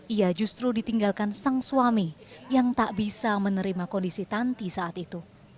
ia justru ditinggalkan sang suami yang tak bisa menerima kondisi tanti saat itu